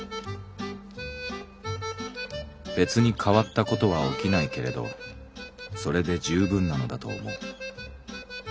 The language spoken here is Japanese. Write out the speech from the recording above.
「べつに変わったことは起きないけれどそれで十分なのだと思う。